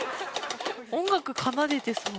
音楽奏でてそう。